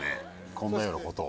こんなようなことを。